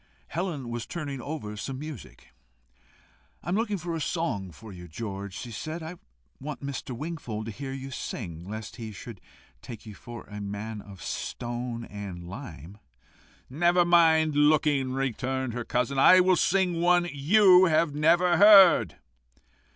Helen was turning over some music. "I am looking for a song for you, George," she said. "I want Mr. Wingfold to hear you sing, lest he should take you for a man of stone and lime." "Never mind looking," returned her cousin. "I will sing one you have never heard."